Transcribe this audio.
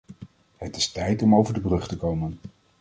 Het is tijd om over de brug te komen.